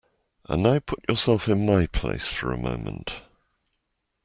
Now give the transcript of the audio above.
And now put yourself in my place for a moment.